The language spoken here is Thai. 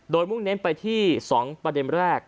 โดยมุ่งเน้นไปที่๒ประเด็นแรก